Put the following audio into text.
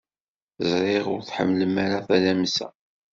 Ẓriɣ ur tḥemmlem ara tadamsa.